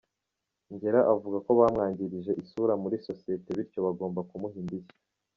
Ngeera avuga ko bamwangirije isura muri sosiyete bityo bagomba kumuha indishyi.